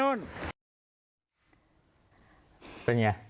เป็นอย่างไร